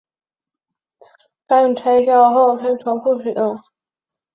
该销拆卸后可重复使用。